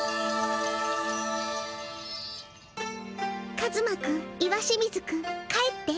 カズマくん石清水くん帰って。